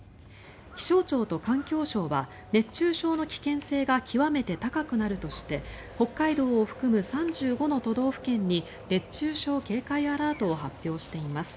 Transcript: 気象庁と環境省は熱中症の危険性が極めて高くなるとして北海道を含む３５の都道府県に熱中症警戒アラートを発表しています。